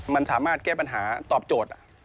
มันสามารถแก้ปัญหาตอบโจทย์